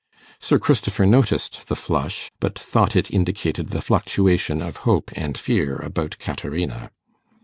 Sir Christopher noticed the flush, but thought it indicated the fluctuation of hope and fear about Caterina.